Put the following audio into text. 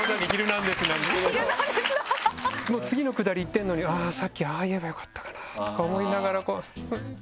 もう次のくだりいってるのに「さっきああ言えばよかったかな」とか思いながらこう「フフ！」って。